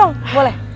boleh boleh om boleh